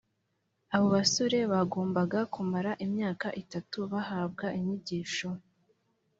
abo basore bagombaga kumara imyaka itatu bahabwa inyigisho